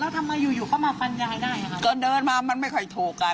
แล้วทำไมอยู่โยความมาฟันยายได้หรอฮะก็เดินมามันไม่ค่อยถูกกัน